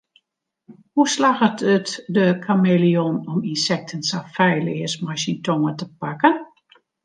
Hoe slagget it de kameleon om ynsekten sa feilleas mei syn tonge te pakken?